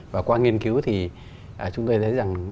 và qua nghiên cứu thì chúng tôi thấy rằng